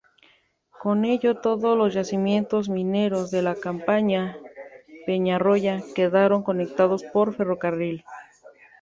Con ello, todos los yacimientos mineros de la compañía Peñarroya quedaron conectados por ferrocarril.